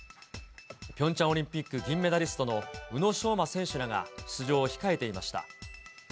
ピョンチャンオリンピック銀メダリストの宇野昌磨選手らが出場を控えていました。